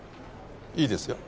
いいですよ。